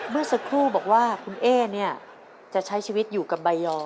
เมื่อสักครู่บอกว่าคุณเอ๊เนี่ยจะใช้ชีวิตอยู่กับใบยอ